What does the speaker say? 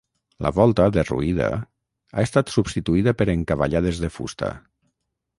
La volta, derruïda, ha estat substituïda per encavallades de fusta.